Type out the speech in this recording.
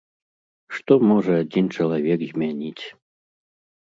Што можа адзін чалавек змяніць?